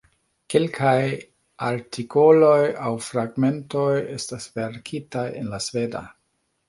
Kelkaj artikoloj aŭ fragmentoj estas verkitaj en la Sveda.